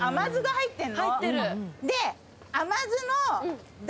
入ってる。